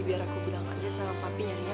biar aku bilang aja sama papi nyarinya